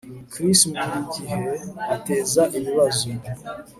Chris buri gihe ateza ibibazo